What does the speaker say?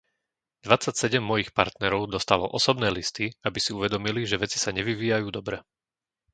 Dvadsaťsedem mojich partnerov dostalo osobné listy, aby si uvedomili, že veci sa nevyvíjajú dobre.